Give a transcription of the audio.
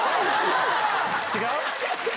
違う？